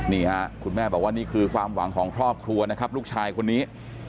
นี่ค่ะคุณแม่บอกว่านี่คือความหวังของครอบครัวนะครับลูกชายคนนี้